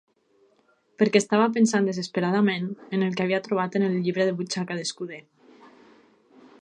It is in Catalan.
Perquè estava pensant desesperadament en el que havia trobat en el llibre de butxaca de Scudder.